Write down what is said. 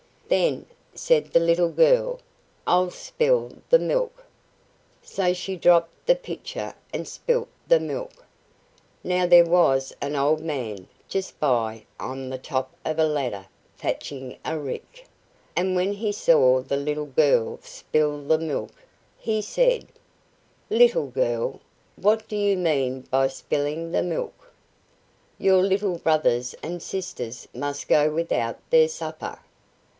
"Then," said the little girl, "I'll spill the milk." So she dropped the pitcher and spilt the milk. Now there was an old man just by on the top of a ladder thatching a rick, and when he saw the little girl spill the milk, he said: "Little girl, what do you mean by spilling the milk? Your little brothers and sisters must go without their supper."